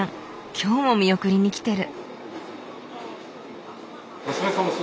今日も見送りに来てる。